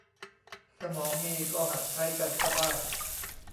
สมองมีก็หัดใช้กันซะบ้าง